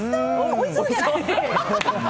おいしそうじゃなくて。